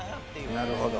なるほど。